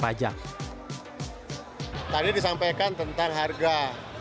pemasaran melalui komunitas menjadi kunci penjuaraan harley davidson